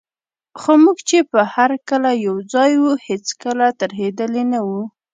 خو موږ چي به هر کله یوځای وو، هیڅکله ترهېدلي نه وو.